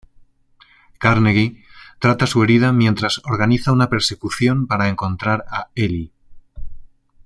Carnegie trata su herida mientras organiza una persecución para encontrar a Eli.